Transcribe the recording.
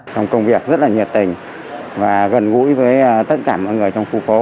trong công việc rất là nhiệt tình và gần gũi với tất cả mọi người trong khu phố